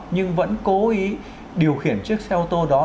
nhưng vẫn cố ý điều khiển chiếc xe ô tô đó